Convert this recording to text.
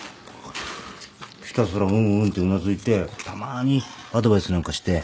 ひたすらうんうんってうなずいてたまーにアドバイスなんかして。